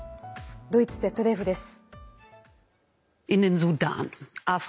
ドイツＺＤＦです。